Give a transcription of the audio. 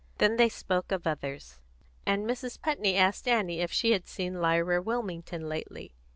Then they spoke of others, and Mrs. Putney asked Annie if she had seen Lyra Wilmington lately.